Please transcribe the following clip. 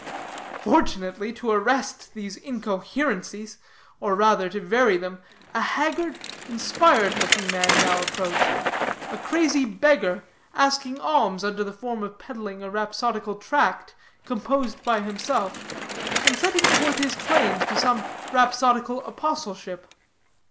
Fortunately, to arrest these incoherencies, or rather, to vary them, a haggard, inspired looking man now approached a crazy beggar, asking alms under the form of peddling a rhapsodical tract, composed by himself, and setting forth his claims to some rhapsodical apostleship.